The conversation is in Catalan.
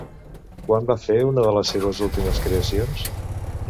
Quan va fer una de les seves últimes creacions?